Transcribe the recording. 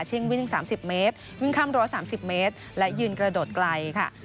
วิ่ง๓๐เมตรวิ่งข้าม๑๓๐เมตรและยืนกระโดดไกลค่ะ